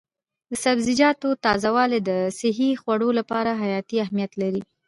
د سبزیجاتو تازه والي د صحي خوړو لپاره حیاتي اهمیت لري.